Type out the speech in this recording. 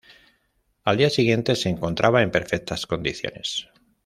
Al día siguiente, se encontraba en perfectas condiciones.